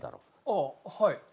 ああはい。